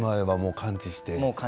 完治して。